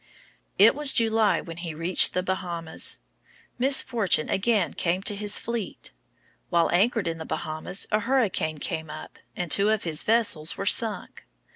It was July when he reached the Bahamas. Misfortune again came to his fleet. While anchored in the Bahamas a hurricane came up, and two of his vessels were sunk.